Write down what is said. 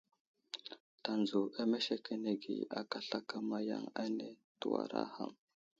Tanzo amesekenege aka slakama yaŋ ane tewara ham.